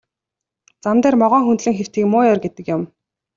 Зам дээр могой хөндлөн хэвтэхийг муу ёр гэдэг юм.